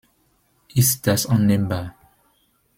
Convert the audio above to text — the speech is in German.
Ist das annehmbar?